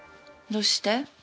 どうして？